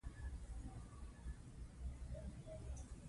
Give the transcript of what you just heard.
هغه ښوونځي ته ډوډۍ راوړې وه.